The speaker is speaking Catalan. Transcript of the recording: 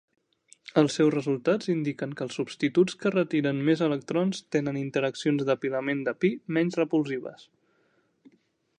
Els seus resultats indiquen que els substituts que retiren més electrons tenen interaccions d'apilament de pi menys repulsives.